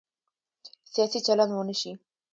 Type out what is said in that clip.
سیاسي چلند ونه شي.